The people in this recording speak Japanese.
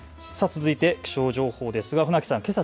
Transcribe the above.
続いて気象情報ですが船木さん、けさ